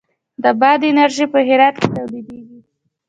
د باد انرژي په هرات کې تولیدیږي